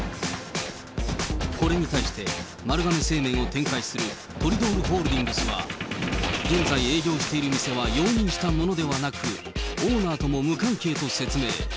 これに対して、丸亀製麺を展開する、トリドールホールディングスは、現在営業している店は容認したものではなく、オーナーとも無関係と説明。